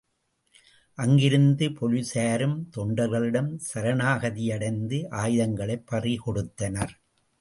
அங்கிருந்த போலிஸாரும் தொண்டர்களிடம் சரணாகதியடைந்து, ஆயுதங்களைப் பறிகொடுத்தனர்.